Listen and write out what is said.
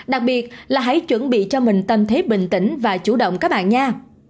đặc biệt là hãy chuẩn bị cho mình tâm thế bình tĩnh và chủ động các bạn nha